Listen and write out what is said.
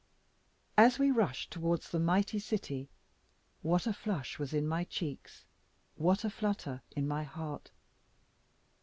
As we rushed towards the mighty city, what a flush was in my cheeks, what a flutter in my heart!